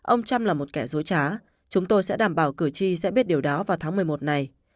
ông trump là một kẻ dối trá chúng tôi sẽ đảm bảo cử tri sẽ biết điều đó vào tháng một mươi một này